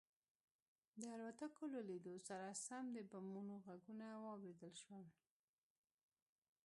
د الوتکو له لیدو سره سم د بمونو غږونه واورېدل شول